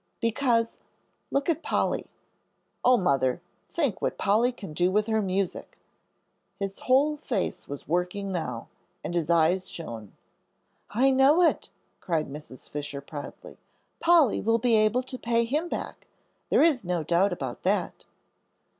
"Because, look at Polly. Oh, mother, think what Polly can do with her music!" His whole face was working now, and his eyes shone. "I know it," cried Mrs. Fisher, proudly. "Polly will be able to pay him back, there is no doubt about that."